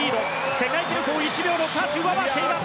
世界記録を１秒６８上回っています。